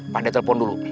pak d telepon dulu